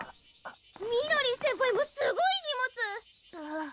⁉みのりん先輩もすごい荷物！